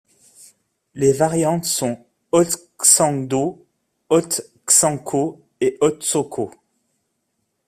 Les variantes sont Otxando, Otxanko et Otxoko.